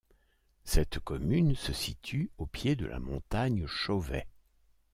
Cette commune se situe au pied de la montagne Chauvet.